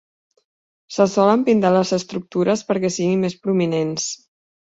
Se solen pintar les estructures perquè siguin més prominents.